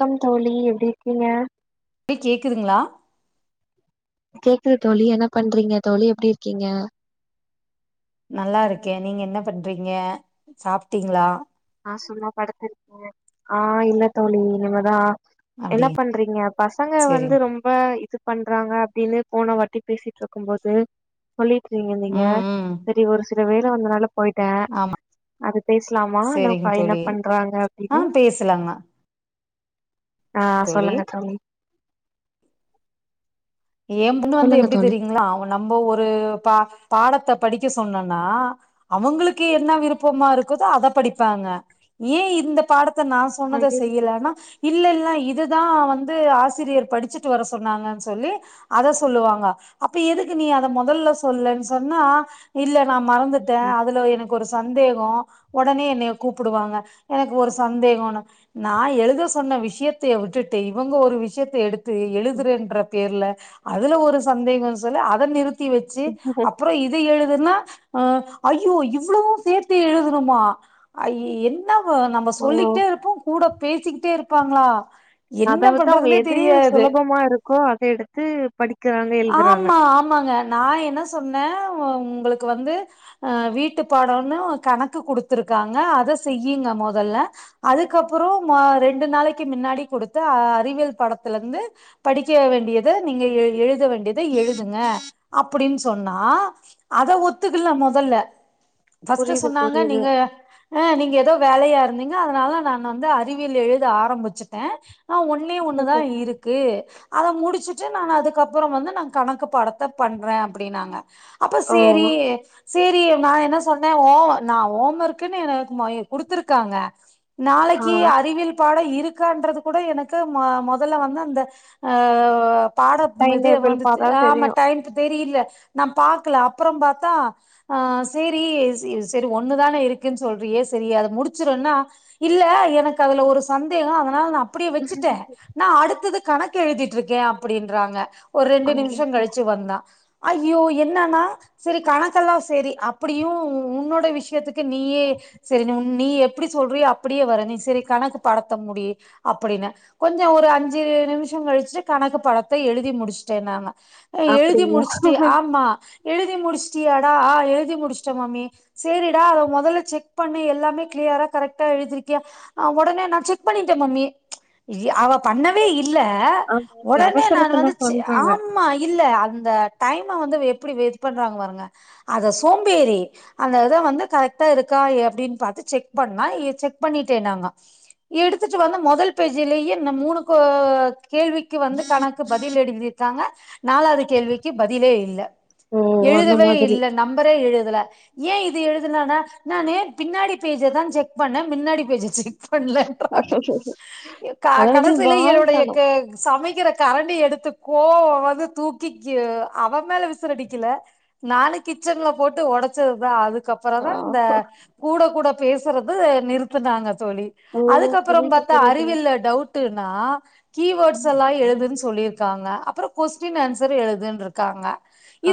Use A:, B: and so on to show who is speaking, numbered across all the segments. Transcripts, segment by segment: A: Come தோழி எப்டி இருக்கிங்க
B: [unintelligible] கேக்குதுங்ளா
A: கேக்குது தோழி என்ன பண்றிங்க தோழி எப்டி இருக்கிங்க
B: நல்லா இருக்கே நீங்க என்ன பண்றிங்க சாப்டிங்ளா
A: நா சும்மா படுத்துருக்கே ஆ இல்ல தோழி இனிமேதா என்ன
B: அப்டின்னு
A: பண்றிங்க பசங்க வந்து
B: செரிங்
A: ரொம் ப இது பண்றாங்க அப்டின்னு போன வாட்டி பேசிட்ருக்கும் போது சொல்லிட் [unintelligible]
B: ம் ம்
A: இல்லாடி ஒரு சில வேல வந்தனால போய்ட்ட
B: ஆமா
A: அது பேஸ்லாமா இல்ல
B: செரிங்க தோழி ஆ பேஸ்லாங்க
A: ஆ சொல்லுங்க தோழி
B: ஏம்பொண்ணு வந்து
A: சொல்லுங்க
B: எப்டி
A: தோழி
B: தெரியுங்ளா அஷங்க நம்ம ஒரு பா பாடத்த படிக்க சொன்னொன்னா அவங்களுக்கு என்ன விருப்பமா இருக்குதோ அத படிப்பாங்க ஏ இந்த பாடத்த நாஸ் சொன்னத செய்யலேனா இல்ல இல்ல இதுதான் வந்து ஆசிரியர் படிச்சிட்டு வர சொன்னாங்கன் சொல்லிட் அத சொல்லுவாங்க அப்ப எதுக்கு நீ அத மொதல்ல சொல்லன் சொன்னா இல்ல நா மறந்துட்டே அதுல எனக் ஒரு சந்தேகொம் ஒடனே என்னைய கூப்புடுவாங்க எனக்கு ஒரு சந்தேகோனு நா எழுத சொன்ன விஷயத்தைய விட்டுட்டு இவங்க ஒரு விஷயத்த எடுத் து எழுதுரேன்ற பேர்ல அதுல ஒரு சந்தேகோ சொல்லி அத நிறுத் தி வச்சி அப்பறொ இ இது எழுதுன்னா அ ஐயோ இவ்வளோவு சேத்து எழுதுணுமா ஐய என் என்னவு நம்ப
A: ஓ
B: சொல்லிக்கிட்டே இருப்போம் கூட பேசிக்கிட்டே இருப்பாங்ளா
A: அதாவது அவங்க எது சுலபமா இருக்கோ அத எடுத்து படி
B: ஆமா ஆமாங்க நா என்ன சொன்னன் வ உங்களுக்கு வந்து அ வீட்டு பாடோன்னு கணக்கு குடுத்துருக்காங்க அத செய்யுங்க மொதல்ல அதுக்கப்புறோம் மோ ரெண்டு நாளைக்கு மின்னாடி குடுத்த அறிவியல் பாடத்துல இருந்து படிக்க வேண்டியத நீங்க எ-எழுத வேண்டியத எழுதுங்க அப்படின் சொன்னா அத ஒத்துக்கல மொதல்ல ஃபர்ஸ்ட்டு
A: புரியுது
B: சொன்னாங்க நீங்க
A: புரியுது
B: அ நீங்க ஏதோ வேலையா இருந்தீங்க அதனால நான் வந்து அறிவியல் எழுத ஆரம்பிச்சுட்டே ஆ ஒன்னே ஒன்னுதா இருக்கு அத முடிச்சுட்டு நான் அதுக்கப் அப்புறம் வந்து நான் கணக்கு பாடத்த பண்ற அப்டின்னாங்க அப்ப
A: ஓ
B: சேரி சேரி நான் என்ன சொன்னன் ஓமர்க்குனு நா ஹோம் ஒர்க்குன்னு என க் மா குடுத்துருக்காங்க
A: ஆ
B: நாளைக்கி அறிவியல் பாடோம் இருக் க்கான்றது கூட எனக்கு மொ-மொதல்ல வந்து அந்த அ பார்ட்
A: டைம்
B: இது
A: டேபிள்
B: வந்துட்டு
A: பாத்தா
B: ஆமா
A: தெரியு
B: டைம்க்கு தெரியல நா பாக்கல அப்றோம் பாத்தா ஆ சேரி சரி ஒண்ணுதானே இருக்குன்னு சொல்றியே சரி அத முடிச்சிருன்னா இல்ல எனக்கு அதுல ஒரு சந்தேகோம் அதனால நா அப்டியே வச்சுட்டே நா அடுத்தது கணக்கு எழுதிட்டு இருக்கேன் அப்படின்றாங்க ஒரு ரெண்டு நிமிஷம் கழிச்சு வந்தான் ஐயோ என்னன்னா சரி கணக்கெல்லாம் செரி அப்டியும் உன்னோட விஷயத்துக்கு நீயே சரி நீ உன் நீ எப்டி சொல்றியோ அப்படியே வரன் நீ சரி கணக்கு பாடத்த முடி அப்படினு கொஞ்ச ஒரு அஞ்சு நிமிஷோம் கழிச்சுட்டு கணக்கு பாடத்த எழுதி முடிச்சுட்டேனாங்க எழுதி
A: அப்டிங்களா
B: முடிச்சுட்டி ஆமா எழுதி முடிச்சுட்டியாடா ஆ எழுதி முடிச்ட்டே மம்மி சேரிடா அத மொதல்ல செக் பண்ணு எல்லாமே க்ளியரா கரெக்டா எழுதிருக்கியா ஆ உடனே நா செக் பண்ணிட்டே மம்மி அவ பண்ணவே இல்ல
A: ஆமா ஒரு
B: ஒடனே நான்
A: அவசரத்துல
B: வந்து செ
A: சொல்றாங்க
B: ஆமா இல்ல அந்த டைம வந்து எப்படி வேஸ்ட் பண்றாங்க பாருங்க அத சோம்பேறி அந்த இத வந்து கரெக்டா இருக்கா அப்டின்னு பாத்து செக் பண்ணா செக் பண்ணிட்டேனாங்க எடுத்துட்டு வந்து மொதல் பேஜிலேயே இந்த மூணு கொ கேள்விக்கு வந்து கணக்கு பாத் பதில் எழுதிருக்காங்க நாலாவது கேள்விக்கு பதிலே இல்ல
A: ஓ அந்த
B: எழுதவே
A: மாதிரி
B: இல்ல நம்பரே எழுதல ஏ இது எழுதலனா நானு பின்னாடி பேஜதான் செக் பண்ணே மின்னாடி பேஜ ஜெக் பண்லன்றா எ கா
A: அதாவது
B: கடைசில என்னுடைய
A: வாழ்த்தனு
B: க சமைக்கிற கரண்டிய எடுத் த்து கோவோ வந்து தூக்கிக்கு அவெ மேல விசிறி அடிக்கல நானு கிச்சன்ல போட்டு உடச்சதுதான் அது
A: ஆ
B: க்கப்பரந்தா இந்த கூட கூட பேசுறது நிறுத்துனாங்க தோழி
A: ஓ
B: அதுக்கப்பறொ
A: புரியுது
B: பாத்தா
A: புரியுது
B: அறிவியல்ல டவுட்டுனா கீவேட்ஸ் எல்லா எழுதுன்னு சொல்லிருக் வாங்க அப்புறோ கொஸ்டின் ஆன்சர் எழுதுன்ருக்காங்க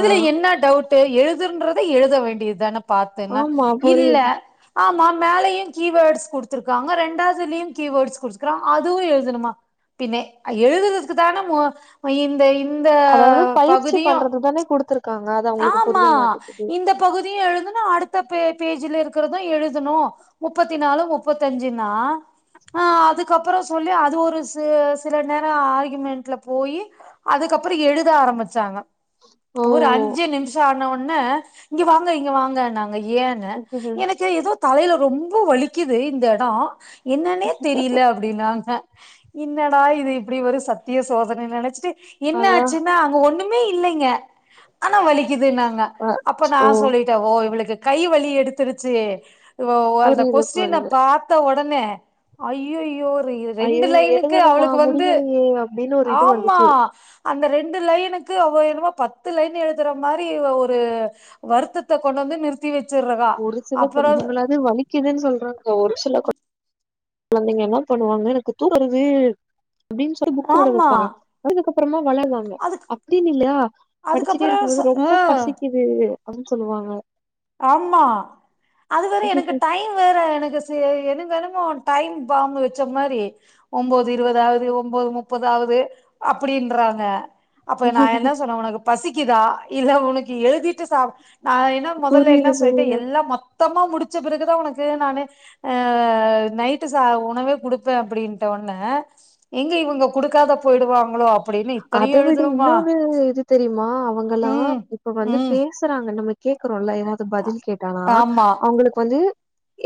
A: ஆ
B: என்ன டவுட் டு எழுதுன்றத எழுத வேண்டியதான பாத்துன்னா
A: ஆமா
B: இல்ல
A: புரியுது
B: ஆமா மேலயு கீவேட்ஸ் குடுத்துருக்காங்க ரெண்டாவதுலயு கீவேட்ஸ் குடுத்துக்றாங் அதுவு எழுதணுமா பின்னே எழுதுறதுக்கு தான மோ இந்த இ இந்த
A: அதாவது பயிற்சி
B: பகுதியு
A: பண்றது தானே குடுத்துருக்காங்க அது அவங்களுக்கு
B: ஆமா
A: புரிய மாட்டேங்குது
B: இந்தப் பகுதியு எழுதனு அடுத்த பே பேஜ்ல இருக்குறது எழுதனு முப்பத்தி நாலு முப்பத்தஞ்சுன்னா ஆ அதுக்கப்ற சொல்லி அது ஒரு சி சில நேரோ ஆர்க்யுமெண்ட்ல போயி அதுக்கப்பறொ எழுத ஆரம்பிச்சாங்க
A: ஓ
B: ஒரு அஞ்சு நிமிஷோ ஆன ஒன்னே இங்க வாங்க இங்க வாங்கன்னாங்க ஏ ங்க எனக்கு ஏதோ தலையில ரொம்ப வலிக்குது இந்த எடோ என்னன்னே தெரியல அப்டினாங்க என்னடா இது இப்டி ஒரு சத்திய சோதன நெனச்சிட்டு
A: அதா
B: என்னாச்சுன்னா ஒன்னுமே இல்லேங்க ஆனா வலிக்குதுன்னாங்க
A: அ
B: அப்ப நா
A: ஓ
B: சொல்லிட் ஓ இவளுக்கு கை வலி எடுத்துருச்சு இவோ ஓ அந்த
A: புரியுது
B: கொஸ்டின
A: புரியுது
B: பாத் த ஒடனே ஐய்யய்யோ ரெண்டு லைனுக்கு அவளுக்கு வந்து
A: ஏங்க அப்டின்னு ஒ
B: ஆமா அந்த ரெண்டு லைனுக்கு அவ என்னமோ பத்து லைன் எழுதுற மாரி ஒரு வருத்தத்த கொண்டு வந்து நிறுத்தி வச்சிருறதா அப்பறொ
A: க்கிதுன்னு சொல்றாங்க ஒரு சில கொழந்தைங்க என்ன பண்ணுவாங்க எனக்கு தூக் வருது அப்டின்னு சொல்லி புக் விட
B: ஆமா
A: வப்பாங்க வளந்ததுக்கப்றமா வளர்வாங்க
B: அதுக்
A: அப்டின்னு இல்லையா படிச்சிட்டே
B: அதுக்கப்பறோ ச
A: இருக்கும்போது
B: ஆ
A: ரொம்ப பசிக்கிது கிது அப்டினு சொல்லுவாங்க
B: ஆமா அது வேற எனக்கு டைம் வேற எனக்கு எனக்கென்னமோ டைம் பாம் வச்ச மாரி ஒம்போது இருவதாகுது ஒம்போது முப்பதாகுது அப்டின்றாங்க அப்ப நா என்ன சொன்ன ஒனக்கு பசிக்குதா இல்ல ஒனக்கு எழுதிட்டு சா நா என்ன முதல்ல என்ன
A: புரியுது பு
B: சொல்லிட்ட எல்லா மொத்தமா முடிச்ச பெறகுதா ஒனக்கு நானு அ நைட்டு ச ஒணவே கொடுப்பே அப்டின்ட்ட ஒன்னெ எங்க இவங்க குடுக்காத போயிடுவாங்களோ அப்டின்னு
A: அத
B: இத்தனையு
A: விடு
B: எழுதணுமா
A: இன்னொரு இது தெரியுமா அவங்கல்லா
B: ம்
A: இப்ப வந்து
B: ம்
A: பேஸ் பேசுறாங்க நம்ம கேக்குறோல்ல ஏதாவது பதில் கேட்டானா
B: ஆமா
A: அவங்களுக்கு வந்து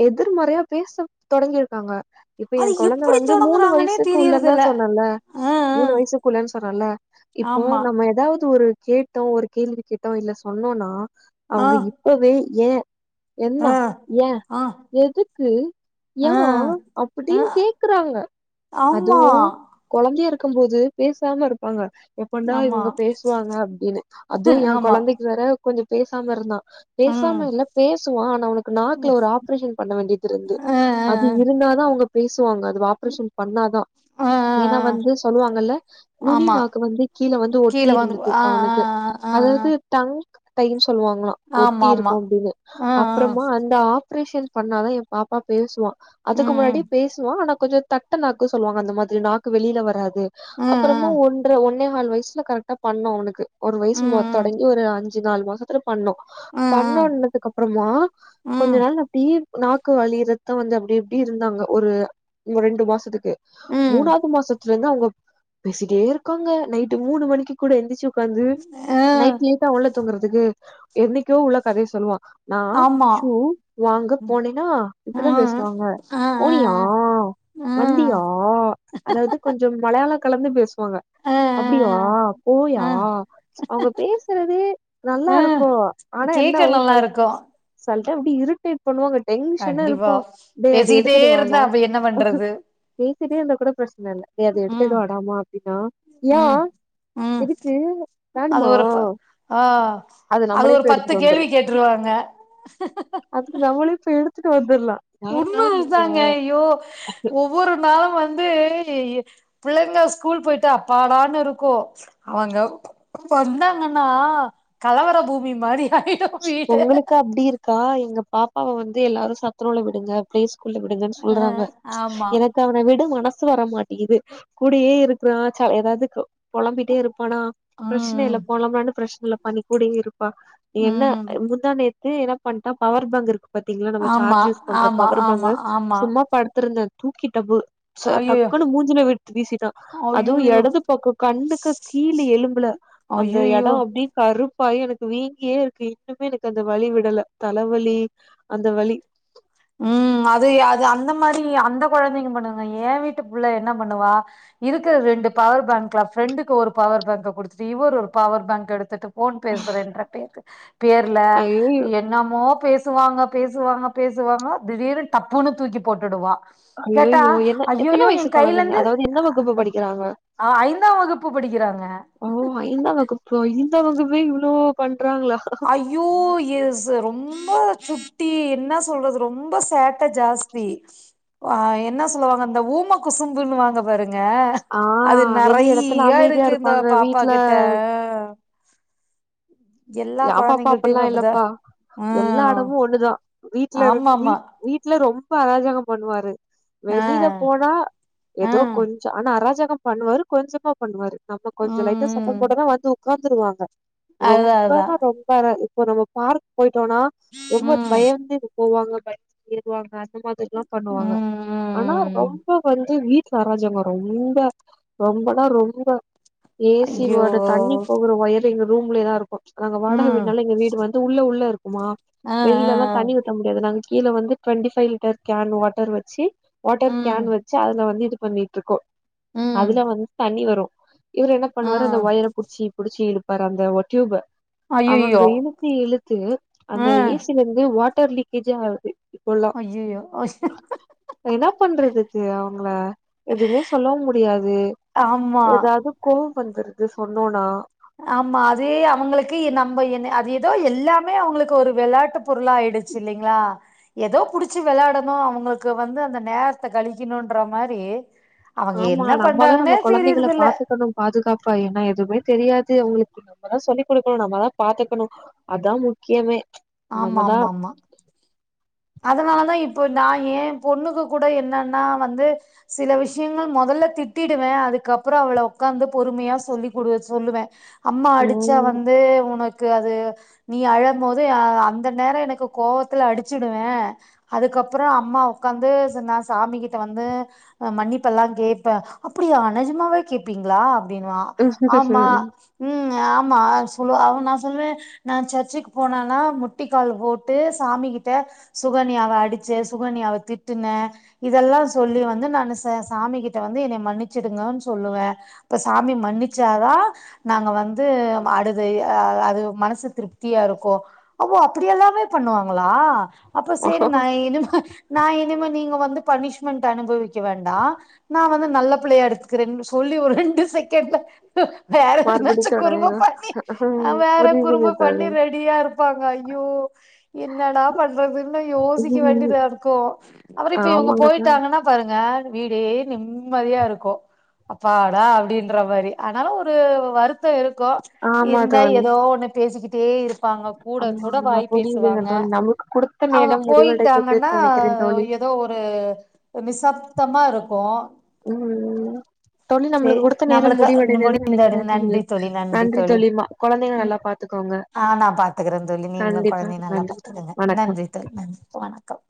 A: எதிர்மறையா பேச தொடங்கிற்காங்க இப்ப எ
B: அது
A: கொழந்த
B: எப்டி
A: வந்து மூணு
B: தொடங்குறாங்கன்னே
A: வயசுக்கு உள்ள தா
B: தெரியறதில்ல
A: சொன்னல்ல
B: ஆ ஆ
A: மூணு வயசுக் குள்ளன்னு சொன்னேல இப்போ
B: ஆமா
A: நம்ம ஏதாவது ஒரு கேட்டோ ஒரு கேள்வி கேட்டோ இல்ல சொன்னோனா
B: ஆ
A: அவங்க இப்பவே ஏ என்னொ
B: ஆ
A: ஏ
B: ஆ
A: எதுக்கு ஏ
B: ஆ
A: அப்பிடின் கேக்குறாங்க
B: ஆம்மா
A: அதுவு கொழந்தையா ருக்கும் போது பேசாம ர்க்கு ப்பாங்க எப்படா
B: ஆமா
A: இவங்க பேசுவாங்க அப்டின்னு அதுவு எ
B: ஆமா
A: கொழந்தக்கி வேற கொஞ்ச பேசாமர்ந்தா
B: ம்
A: பேசாம இல்ல பேசுவா ஆனா அவனுக்கு நாக்குல ஒரு ஆப்ரேஷன் பண்ண வேண்டியதிருந்து
B: ஆ ஆ
A: அது இருந்தாதா அவங்க பேசுவாங்க அது ஆப்ரேஷன் பண்ணாதா
B: ஆ ஆ
A: ஏனா
B: ஆ
A: வந்து சொல்லுவாங்கல்ல நுனி
B: ஆமா
A: நாக்கு வந்து கீழ வந்து
B: கீழ
A: ஒட்டி
B: வந்து
A: இருந்தது
B: ஆ ஆ
A: அவனுக்கு
B: ஆ ஆ
A: அதாவது டங்க் தைன் சொல்லுவாங்களா
B: ஆ
A: ஒட்டி
B: ஆமா ஆமா
A: இருக்கு அப்டினு
B: ஆ ஆ
A: அப்றமா அந் ஆப்ரேஷன் பண்ணாதா எ பாப்பா பேசுவா அதுக்கு முன்னாடி
B: ம்
A: பேசுவா ஆனா கொஞ்சொ தட்ட நாக்கு சொல்வாங்க அந்த மாதிரி நாக்கு வெளியில வராது
B: ம்
A: அப்றமா
B: ம்
A: ஒன்ற ஒன் ஒன்னேகால் வயசுல கரெக்டா பண்ணோ அவனுக்கு ஒரு வயசு ம
B: ம்
A: தொடங்கி ஒரு அஞ்சு நால் மாசத்துல பண்ணோம்
B: ம் ம்
A: பண்ணோன்னதுக்கு அப்றமா கொஞ்ச
B: ம்
A: நாள் நா பீ நாக்கு வலி ரத்தொ வந்து அப்டி இப்டி இருந்தாங்க ஒரு இன்னு ரெண்டு மாசத்துக்கு
B: ம்
A: மூணாவது மாசத்துலருந்து அவ்ங்க பேசிட்டே இருக்காங்க நைட்டு மூணு மணிக்கு கூட எந்திச்சு உக்காந்து
B: ஆ
A: நைட் லேட்டா உள்ள தூங்குறதுக்கு என்னிக்கோ உள்ள கதய சொல்லுவா நா
B: ஆமா
A: ஷூ வாங்க போனேனா
B: ஆ
A: இப்டிதா பேசுவாங்க
B: ஆ ஆ ஆ
A: போனியா வந்தியா அதாவது கொஞ்சொ மலையாள கலந்து பேசுவாங்க
B: ஆ ஆ
A: அப்டியா போயா
B: ஆ ஆ
A: அவங்க பேசுறதே நல்லா இருக்கு ஆனா என்ன
B: கேக்க நல்லா
A: [unintelligible]
B: இருக்கு
A: செல டைம் அப்டி இர்ரிடேட் பண்ணுவாங்க டென்ஷனா
B: கண்டிப்பா
A: இருப்போ டேய் அத
B: பேசிக்கிட்டே
A: எடுத்துட்டு
B: இருந்தா
A: வான்வோ
B: அப்ப என்ன பண்றது
A: பேசிட்டே இருந்த கூட பிரச்சன இல்ல ஏ அத
B: ம்
A: எடுத்துட்டு வாடாமா அப்டினா யா
B: ம் ம்
A: எதுக்கு
B: அது
A: வாணுமா
B: ஒரு ப ஆ அது ஒரு பத்து கேள்வி கேட்ருவாங்க
A: அதுக்கு நம்மளே போய் எடுத்துட்டு வந்துர்லா
B: உண்ம
A: யார்ரா நீங்க
B: இதாங்க ஐயோ ஒ ஒவ்வொரு நாளு வந்து புள்ளைங்க ஸ்கூல் போயிட்டா அப்பாடான் இருக்கு அவங்க வந்தாங்கனா கலவர பூமி மாரி ஆயிடு வீடு
A: ஒங்களுக்கு அப்டி இருக்கா எங்க பாப்பாவ வந்து எல்லாரு சத்துணவுல விடுங்க ப்ளே ஸ்கூல்ல விடுங்கன்
B: அ
A: சொல்றாங்க
B: ஆமா
A: எனக்கு அவன விட மனசு வரமாட்டிகிது கூடயே இருக்கிறா ச எதாவது க பொளம்பிட்டே இருப்பானா பிரச்சன
B: ம்
A: இல்ல பொலாம்புனாலு பிரச்சன இல்லப்பா நீ கூடவே இருப்பா நீ என்ன
B: ம்
A: முந்தாநேத் என்ன பண்டா பவர் பேங்க் இருக்கு பாத்தீங்கலா நம்ம
B: ஆமா
A: சார்ஜ் யூஸ் பண்ற
B: ஆமா
A: பவர்
B: ஆமா
A: பேங்க்
B: ஆமா
A: சும்மா படுத்திருந்த தூக்கி டபு ச
B: ஐயயோ
A: டக்குன்னு மூஞ்சிலயே விட் வீசிட்டா அதுவு
B: ஐயயோ
A: எடது பக்கொ கண்ணுக்கு கீழ் எலும்புல அந்த எடோ
B: ஐய்யய்யோ
A: அப்டியே கருப்பாயி எனக்கு வீங்கியே இருக்கு இன்னுமே எனக்கு அந்த வலி விடல தலைவலி அந்த வலி
B: ம் அது எ அது அந்த மாதிரி அந்த கொழந்தைங்க பண்ணுங்க ஏ வீட்டு புள்ள என்ன பண்ணுவா இருக்கிற ரெண்டு பவர் பேங்க்ல ஃப்ரெண்டுக்கு ஒரு பவர் பேங்க குடுத்துட்டு இவர் ஒரு பவர் பேங்க எடுத்துட்டு ஃபோன் பேசுறேன்ற பேக் பேர்ல்
A: ஐயோ
B: என் என்னமோ பேசுவாங்க பேசுவாங்க பேசுவாங்க திடீர்னு டப்புனு தூக்கி போட்டுடுவா கேட்டா
A: ஐய்யய்யோ என்ன எத்தன
B: ஐயையோ
A: வயசு
B: என்
A: கொழந்தைங்க அதாவது என்ன வகுப்பு படிக்கிறாங்க
B: ஐந்தா வகுப்பு படிக்கிறாங்க
A: ஐந்தாம் வகுப்பே இவ்ளோ பண்றாங்களா
B: ஐ ஐயோ எ ஸ் ரொம்ப சுட்டி என்ன சொல்றது ரொம்ப சேட்ட ஜாஸ்தி வா என்ன சொல்வாங்க இந்த ஊம குசும்புனுவாங்க பாரு ங்க
A: ஆ
B: அது
A: வெளி இடத்துல
B: நெறையா
A: அமைதியா
B: இருக்கு இந்த
A: இருப்பாங்க.
B: பாப்பா
A: வீட்ல
B: கிட்ட ஆ
A: எ பாப்பா அப்டில்லா
B: கொழந்தைங்கள்ட்டயுமே அப்டிதா
A: இல்லப்பா எல்லா
B: ம்
A: எடமும் ஒண்ணுதா வீட்ல இரு
B: ஆமாமா
A: வீட் வீட்டுல ரொம் ரொம்ப அராஜகம் பண்ணுவாரு
B: ஆ
A: வெளில போனா
B: ஆ
A: ஏதோ கொஞ்சோ ஆனா அராஜகோ பண்ணுவாரு கொஞ்சமா பண்ணுவாரு நம்ம கொஞ்சோ லைட்டா சத்தோ
B: ம்
A: போட்டன்ன வந்து உக்காந்துருவாங்க
B: அதா
A: ரொம்ப
B: அதா
A: [unintelligible] இப்போ நம்ம பார்க் போயிட்டோம்னா ரொம்ப
B: ம்
A: [unintelligible] போவாங்க ஏறுவாங்க அந்த மாரில்லா பண்ணுவாங்க
B: ம்
A: ஆனா
B: ம்
A: ரொம்ப வந்து வீட் அராஜகோ ரொம்ப ரொம்பனா ரொம்ப ஏ சி
B: ஐயோ
A: ஓட தண்ணி போற ஒயர் எங்க ரூம்லயேதா இருக்கு நாங்க வாடக
B: ம்
A: வீடுனால எங்க வீடு வந்து உள்ள உள்ள இருக்குமா
B: ஆ ஆ
A: வெளிலதா தண்ணி
B: ஆ.
A: ஊத்த முடியாது நாங்க கீழ வந்து twenty five litre can water வெச்சு வாட்டர்
B: ம்
A: கேன் வெச்சு அதுல வந்து இது பண்ணிட்டு இருக்கோ
B: ம்
A: அதுல வந்து தண்ணி வரு இவரு என்ன
B: ஆ
A: பண்ணுவாரு அந்த ஒயர புடிச்சி புடிச்சி இழுப்பாரு அந்த டியூப்ப அவங்க
B: அய்யய்யோ
A: இழுத்து இழுத்து அந்த
B: ஆ
A: ஏ சி ல இருந்து வாட்டர் லீக்கேஜா ஆகுது
B: ஐய்யய்யோ
A: என்னா பண்றது இது அவங்கள எதுவுமே சொல்லவு முடியாது
B: ஆமா
A: எதாவது கோவோ வந்துருது சொன்னோனா
B: ஆமா அதே அவங்களுக்கு நம்ம என்ன அத எதோ எல்லாமே அவங்களுக்கு ஒரு வெளாட்டு பொருளா ஆயிடுச்சு இல்லிங்ளா ஏதோ புடிச்சு வெளாட்ணு அவங்களுக்கு வந்து அந்த நேரத்த கழிக்கணுன்ற மாரி அவங்க
A: ஆமா
B: என்ன
A: நம்மதா நம்ம
B: பண்றாங்கன்னே
A: கொழந்தைகள
B: தெரியறதில்ல
A: பாத்துக்கணு பாதுகாப்பா என்ன எதுவுமே தெரியாது அவங்களுக்கு நம்மதா சொல்லிக் குடுக்கணு நம்மதா பாத்துக்கணு அதா முக்கியமே
B: ஆமா
A: நம்மதா
B: ஆமா ஆமா அதனாலதா இப்ப நா ஏ பொண்ணுக்கு கூட என்னன்னா வந்து சில விஷயங்கள் மொதல்ல திட்டிடுவே அதுக்கப்றோ அவள உக்காந்து பொறுமையா சொல்லி குடு சொல்லுவே அம்மா அடிச்சா
A: ம்
B: வந் து உனக்கு அது நீ அழும் போது அந்த நேரோ எனக்கு கோவத்துல அடிச் சுடுவே அதுக்கப்றோ அம்மா உக்காந்து நா சாமி கிட்ட வந்து மன்னிப்பெல்ல கேப்பே அப்பிடியா நெஜமாவே கேக்பீங்களா அப்டின்னுவா ஆமா ம் ஆமா சொல்லுவ அவ நா சொல்லுவே நா சர்ச்சுக்கு போனேன்னா முட்டிக்கால் போட்டு சாமி கிட் ட்ட சுகன்யாவ அடிச்ச சுகன்யாவ திட்டுனே இதெல்லா சொல்லி வந்து நா ச சாமி கிட்ட வந்து என்னை மன்னிச்சுடுங்கன்னு சொல்லுவே அப்ப சாமி மன்னிச்சாதா நாங்க வந்து அடுது அது மனசு திருப்தியா இருக்கு ஓ அப்பிடி எல்லாமே பண்ணுவாங்களா அப்ப செரி நா இனிமே நா இனிமே நீங்க வந்து பனிஷ்மெண்டட் அனுபவிக்க வேண்டா நா வந்து நல்ல பிள்ளையா எடுத்துக்கிறேனு சொல்லி ஒரு ரெண்டு செகண்ட்ல வேற
A: மறுபடி
B: எதுனாச்சு குறும்பு
A: தொடங்கிரு
B: பண்ணி வேற
A: புரியுதுங்க
B: குறும்பு பண்ணி
A: தோழி
B: ரெடியா இருப்பாங்க ஐய்யோ என்னடா பண்றதுனு யோசிக்க வேண்டியதா இருக்கு அப்றோ இப்ப இவங்க
A: ஆமாங்க தோழி
B: போயிட்டாங்க ன்ன பாருங்க வீடே நிம்மதியா இருக்கு அப்பாடா அப்டின்ற மாரி ஆனாலு ஒரு வருத்தோ இருக்கு
A: ஆமா
B: இருந்தா
A: தோழி
B: ஏதோ ஒண்ணு பேசிக்கிட்டே இருப்பாங்க கூட
A: ஆமா
B: கூட
A: ஆமா
B: வாய்
A: புரியுதுங்க
B: பேசுவாங்க
A: [inaudible]
B: அவங்க
A: முடிவடைந்தது
B: போயிட்டாங்கன்னா
A: நெனைக்கிறேன் தோழி
B: ஏதோ ஒரு நிசப்தமா இருக்கு
A: ம் தோழி
B: சே
A: நம்மளுக்கு குடுத்த நேர
B: நம்மளுக்கு
A: முடிவடைந்ததுன்னு
B: முடிந்தது
A: நெனைக்கிற தோழி
B: நன்றி
A: நன்றி
B: தோழி
A: தோழிமா கொழந்தைங்கள நல்லா பாத்துக்கோங்க
B: ஆ நா பாத்துக்கறே தோழி நீங்களு
A: கண்டிப்பா
B: கொழந்தைய நல்லா
A: நன்றி தோழி
B: பாத்துக்கங்க
A: வணக்க
B: நன்றி தோழி நன்றி வணக்கம்